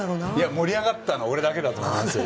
盛り上がったの俺だけだと思いますよ。